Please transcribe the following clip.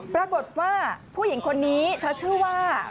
ปรากฏว่าผู้หญิงคนนี้เธอชื่อว่า